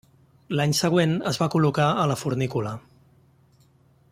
L'any següent es va col·locar a la fornícula.